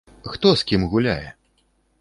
Хто з кім гуляе?